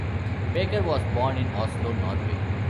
Backer was born in Oslo, Norway.